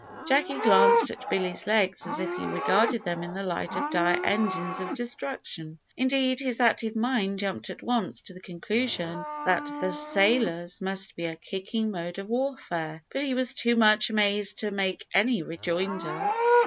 Jacky glanced at Billy's legs as if he regarded them in the light of dire engines of destruction. Indeed, his active mind jumped at once to the conclusion that the sailor's must be a kicking mode of warfare; but he was too much amazed to make any rejoinder.